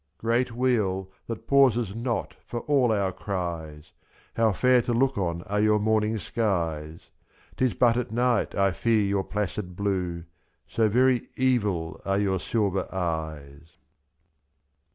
Great wheel that pauses not for all our cries. How fair to look on are your morning skies! /^S.'Tis but at night I fear your placid blue, — So very evil are your silver eyes.